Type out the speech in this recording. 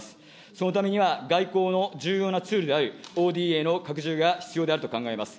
そのためには、外交の重要なツールであるＯＤＡの拡充が必要であると考えます。